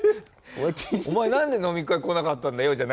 「お前何で飲み会来なかったんだよ」